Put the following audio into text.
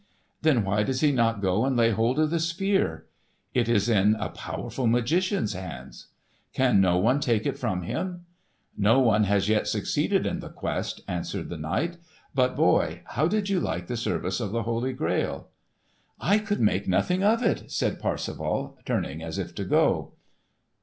"Then why does he not go and lay hold of the Spear?" "It is in a powerful magician's hands." "Can no one take it from him?" "No one has yet succeeded in the quest," answered the knight. "But, boy, how did you like the service of the Holy Grail?" "I could make nothing of it," said Parsifal, turning as if to go.